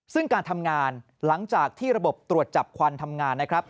ซึ่งการทำงานหลังจากที่ระบบตรวจจับควันทำงานนะครับ